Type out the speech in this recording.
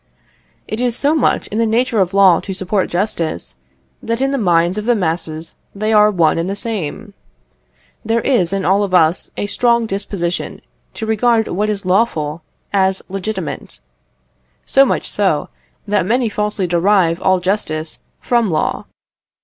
It is so much in the nature of law to support justice, that in the minds of the masses they are one and the same. There is in all of us a strong disposition to regard what is lawful as legitimate, so much so, that many falsely derive all justice from law.